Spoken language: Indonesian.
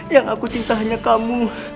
yang aku cinta hanya kamu